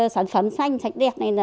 sản phẩm xanh sạch đẹp này